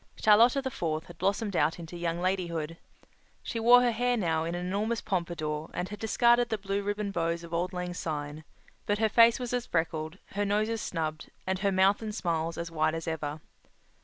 Charlotta the Fourth had blossomed out into young ladyhood. She wore her hair now in an enormous pompador and had discarded the blue ribbon bows of auld lang syne, but her face was as freckled, her nose as snubbed, and her mouth and smiles as wide as ever.